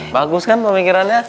bagus kan pemikirannya